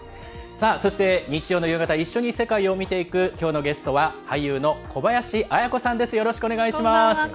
そして、日曜の夕方一緒に世界を見ていくきょうのゲストは俳優の小林綾子さんです。